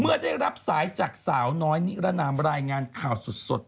เหมือนจะได้รับสายจากสาวน้อยในรายงามข่าวสด